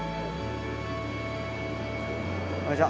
こんにちは。